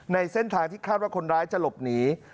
ในเส้นทางที่คาดว่าคนร้ายจะหลบหนี